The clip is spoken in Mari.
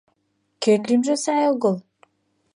Кӧн лӱмжӧ сай огыл?